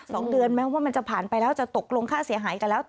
สองเดือนแม้ว่ามันจะผ่านไปแล้วจะตกลงค่าเสียหายกันแล้ว